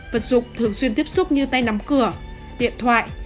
vật dụng thường xuyên tiếp xúc như tay nắm cửa điện thoại